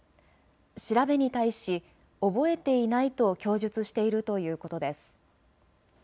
調べに対し覚えていないと供述しているということです。